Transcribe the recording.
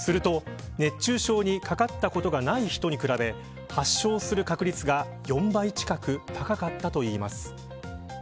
すると、熱中症にかかったことがない人に比べ発症する確率が４倍近く高かったといいます。